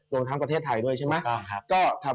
รวมทั้งประเทศไทยด้วยใช่ไหม